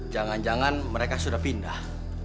jangan jangan mereka sudah pindah